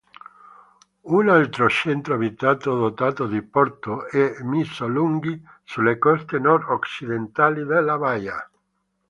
Un altro centro abitato dotato di porto è Missolungi, sulle coste nord-occidentali della baia.